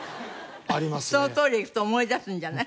そのトイレ行くと思い出すんじゃない？